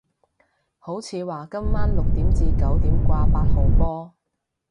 好似話今晚六點至九點掛八號波